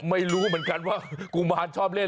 ไม่รู้เหมือนกันว่ากุมารชอบเล่น